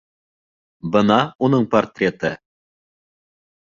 Бына уның портреты!